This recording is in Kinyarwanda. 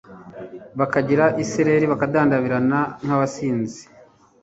bakagira isereri bakadandabirana nk’abasinzi